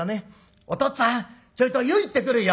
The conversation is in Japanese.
『おとっつぁんちょいと湯行ってくるよ』。